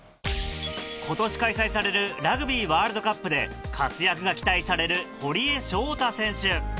今年開催されるラグビーワールドカップで活躍が期待される堀江翔太選手